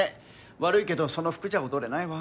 悪いけどその服じゃ踊れないわ。